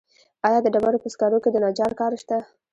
آیا د ډبرو په سکرو کې د نجار کار شته